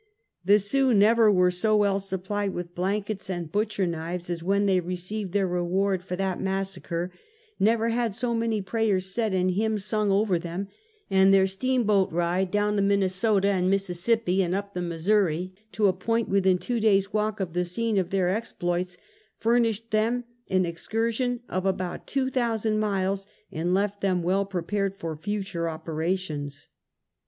The Sioux never were so well supplied with blankets and butch A Missive and a Mission. 235 er knives, as wlien they received their reward for that massacre; never had so many prayers said and hymns sung over them, and their steamboat ride down the Minnesota and Mississippi and up the Missouri, to a point within two days' walk of the scene of their ex ploits, furnished them an excursion of about two thousand miles, and left them well prepared for future operations.